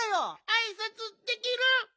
あいさつできる！